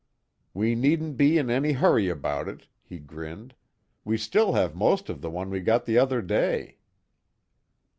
"We needn't be in any hurry about it," he grinned. "We still have most of the one we got the other day."